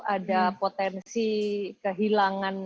ada potensi kehilangan